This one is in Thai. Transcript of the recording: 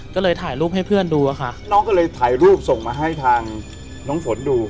ก็เลยถ่ายรูปให้เพื่อนดูอะค่ะน้องก็เลยถ่ายรูปส่งมาให้ทางน้องฝนดู